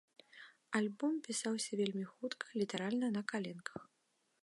Альбом пісаўся вельмі хутка, літаральна на каленках.